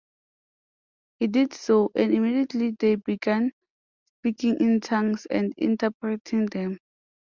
He did so, and immediately they began speaking in tongues and interpreting them.